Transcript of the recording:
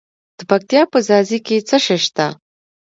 د پکتیا په ځاځي کې څه شی شته؟